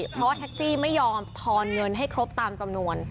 เพราะว่าแท็กซี่ไม่ยอมทอนเงินให้ครบตามจำนวน